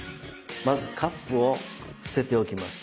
まずカップを伏せておきます